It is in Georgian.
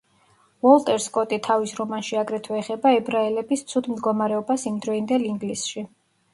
უოლტერ სკოტი თავის რომანში აგრეთვე ეხება ებრაელების ცუდ მდგომარეობას იმდროინდელ ინგლისში.